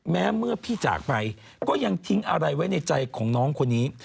แม้เมื่อพี่จากไปก็ยังทิ้งอะไรไว้ในใจของน้องคนนี้